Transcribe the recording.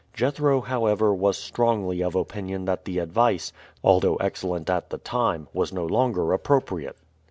Jethro, however, was strongly of opinion that the advice, although excellent at the time, was no longer appropriate.